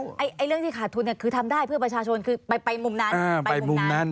หมายถึงว่าไอ้เรื่องที่ขาดทุนเนี่ยคือทำได้เพื่อประชาชนคือไปมุมนั้น